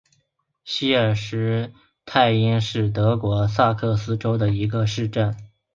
希尔施斯泰因是德国萨克森州的一个市镇。